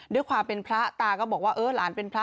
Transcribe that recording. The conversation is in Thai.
ด้วยความเป็นพระตาก็บอกว่าเออหลานเป็นพระ